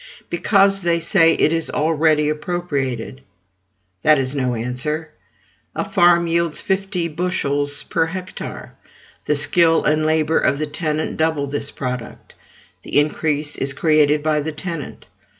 "Because," they say, "it is already appropriated." That is no answer. A farm yields fifty bushels per hectare; the skill and labor of the tenant double this product: the increase is created by the tenant.